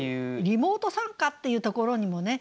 「リモート参加」っていうところにもね